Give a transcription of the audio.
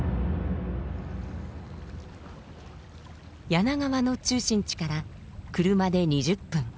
柳川の中心地から車で２０分。